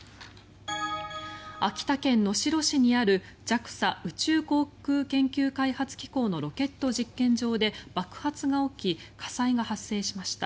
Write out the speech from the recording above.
秋田県能代市にあるＪＡＸＡ・宇宙航空研究開発機構のロケット実験場で爆発が起き火災が発生しました。